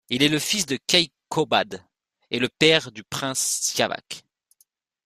Il est le fils de Key Qobad, et le père du prince Siavach.